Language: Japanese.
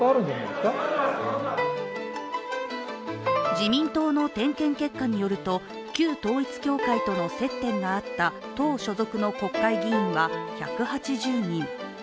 自民党の点検結果によると旧統一教会との接点があった党所属の国会議員は１８０人。